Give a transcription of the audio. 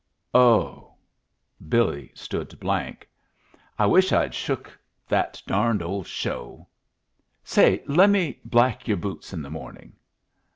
"O h!" Billy stood blank. "I wish I'd shook the darned old show. Say, lemme black your boots in the morning?"